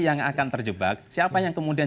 yang akan terjebak siapa yang kemudian